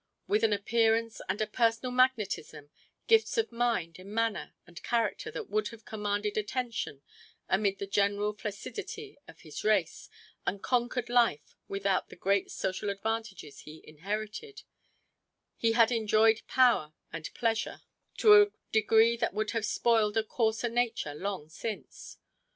With an appearance and a personal magnetism, gifts of mind and manner and character that would have commanded attention amid the general flaccidity of his race and conquered life without the great social advantages he inherited, he had enjoyed power and pleasure to a degree that would have spoiled a coarser nature long since.